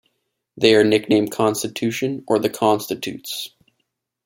They are nicknamed 'Constitution' or 'The Constitutes'.